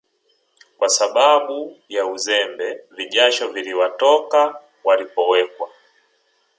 kwa sababu ya uzembe vijasho viliwatoka walipowekwa